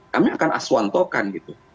kami akan aswantokan gitu